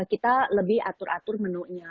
kita lebih atur atur menunya